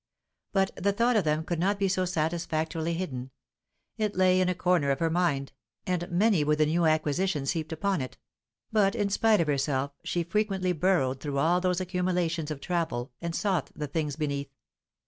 But the thought of them could not be so satisfactorily hidden. It lay in a corner of her mind, and many were the new acquisitions heaped upon it; but in spite of herself she frequently burrowed through all those accumulations of travel, and sought the thing beneath.